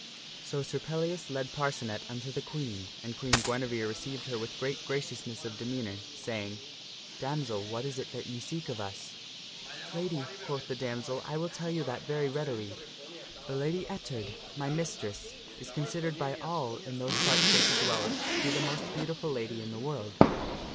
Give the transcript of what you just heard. So Sir Pellias led Parcenet unto the Queen, and Queen Guinevere re ceived her with great graciousness of demeanor, saying, " Damsel, what is it that ye seek of us ?" The damsel " Lad ^'" q uotn tne damsel, " I will tell you that very readily. telieth Queen The Lady Ettard, my mistress, is considered by all in those e parts where she dwelleth to be the most beautiful lady in the world.